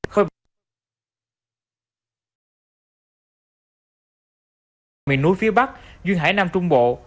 khôi bình nguyễn núi phía bắc duyên hải nam trung bộ